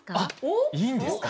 いいんですか？